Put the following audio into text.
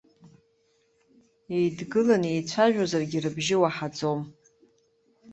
Еидгылан еицәажәозаргьы, рыбжьы уаҳаӡом.